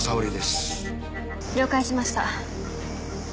了解しました。